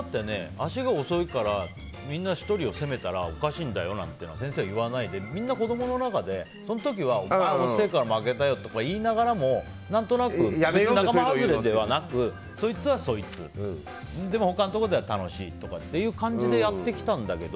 足が遅いからみんな、１人を責めたらおかしいんだよなんて先生は言わないでみんな、子供の中でその時はお前のせいで負けたよって言いながらも何となく仲間外れではなくそいつはそいつでも他のところは楽しいっていう感じでやってきたけど。